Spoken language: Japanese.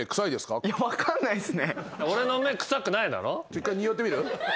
一回におってみる？